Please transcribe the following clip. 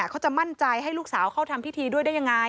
เขาจะมั่นใจให้ลูกสาวเข้าทำพิธีด้วยได้ยังไง